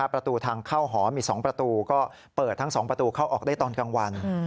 ประตูทางเข้าหอมี๒ประตูก็เปิดทั้ง๒ประตูเข้าออกได้ตอนกลางวัน